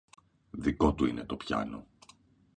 Δικό του είναι το πιάνο,